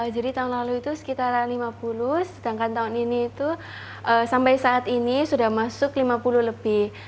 jadi tahun lalu itu sekitar rp lima puluh sedangkan tahun ini itu sampai saat ini sudah masuk rp lima puluh lebih